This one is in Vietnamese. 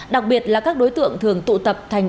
đặc biệt là các đối tượng thường tụ tập thành